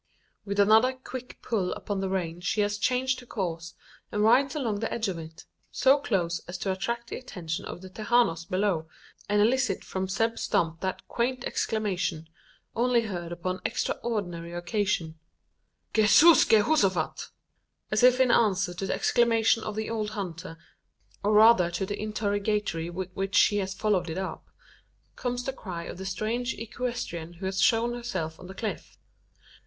With another quick pull upon the rein she has changed her course, and rides along the edge of it so close as to attract the attention of the "Tejanos" below, and elicit from Zeb Stump that quaint exclamation only heard upon extraordinary occasions "Geesus Geehosofat!" As if in answer to the exclamation of the old hunter or rather to the interrogatory with which he has followed it up comes the cry of the strange equestrian who has shown herself on the cliff.